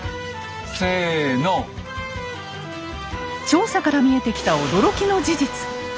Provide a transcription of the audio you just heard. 調査から見えてきた驚きの事実。